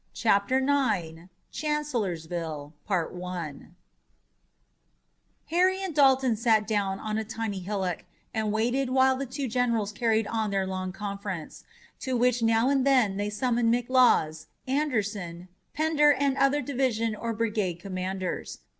CHAPTER IX CHANCELLORSVILLE Harry and Dalton sat down on a tiny hillock and waited while the two generals carried on their long conference, to which now and then they summoned McLaws, Anderson, Pender and other division or brigade commanders.